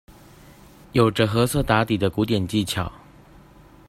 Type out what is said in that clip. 有著褐色打底的古典技巧